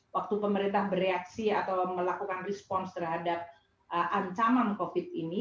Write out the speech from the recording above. waktu pemerintah bereaksi atau melakukan respons terhadap ancaman covid ini